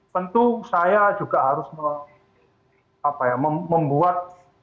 tentu saya juga harus membuat